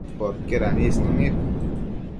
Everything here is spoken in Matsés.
Podquied anisnu nid